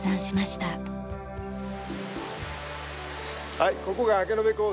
はいここが明延鉱山。